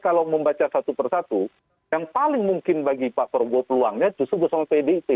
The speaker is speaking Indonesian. kalau membaca satu persatu yang paling mungkin bagi pak prabowo peluangnya justru bukan soal pdip